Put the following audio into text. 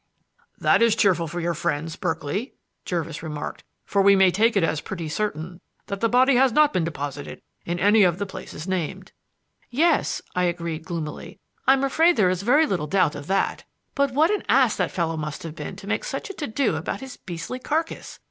"That is cheerful for your friends, Berkeley," Jervis remarked, "for we may take it as pretty certain that the body has not been deposited in any of the places named." "Yes," I agreed gloomily, "I'm afraid there is very little doubt of that. But what an ass that fellow must have been to make such a to do about his beastly carcass!